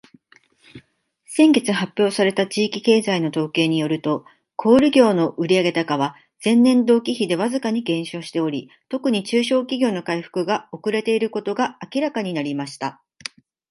「先月発表された地域経済の統計によると、小売業の売上高は前年同期比でわずかに減少しており、特に中小企業の回復が遅れていることが明らかになりました。」